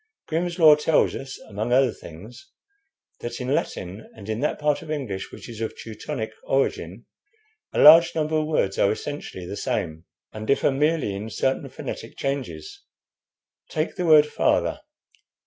'Grimm's Law' tells us, among other things, that in Latin and in that part of English which is of Teutonic origin, a large number of words are essentially the same, and differ merely in certain phonetic changes. Take the word 'father.'